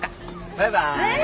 バイバイ。